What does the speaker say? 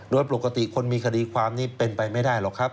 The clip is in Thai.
โดยปกติคนมีคดีความนี้เป็นไปไม่ได้หรอกครับ